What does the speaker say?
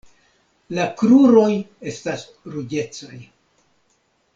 La kruroj estas ruĝecaj.